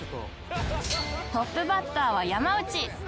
トップバッターは山内